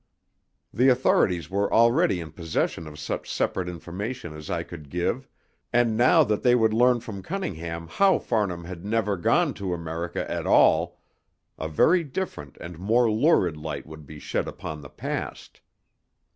The authorities were already in possession of such separate information as I could give, and now that they would learn from Cunningham how Farnham had never gone to America at all, a very different and more lurid light would be shed upon the past.